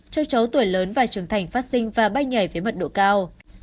châu chấu tuổi lớn và trưởng thành phát sinh và bay nhảy với mật độ cao